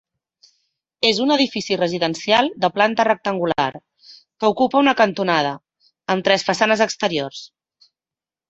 És un edifici residencial de planta rectangular, que ocupa una cantonada, amb tres façanes exteriors.